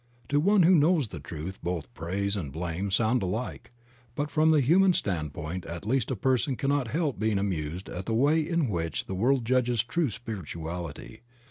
To one who knows the truth, both praise and blame sound alike, but from the human standpoint at least a person cannot help being amused at the way in which the world judges true spirituality.